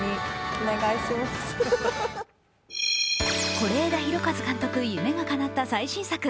是枝裕和監督、夢がかなった最新作。